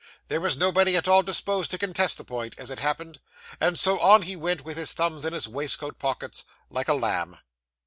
There was nobody at all disposed to contest the point, as it happened; and so, on he went, with his thumbs in his waistcoat pockets, like a lamb.